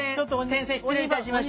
先生失礼いたしました。